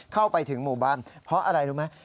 เข้าไปถึงหมู่บ้านเพราะอะไรรู้ไหม